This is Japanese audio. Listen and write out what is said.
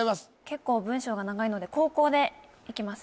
結構文章が長いので後攻でいきます